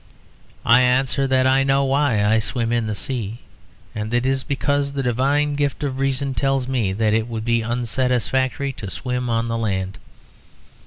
I answer that I know why I swim in the sea; and it is because the divine gift of reason tells me that it would be unsatisfactory to swim on the land.